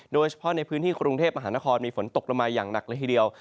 โดยเฉพาะในพื้นที่กรุงเทพมหานครมีฝนตกลงมาอย่างหนักเลยทีเดียว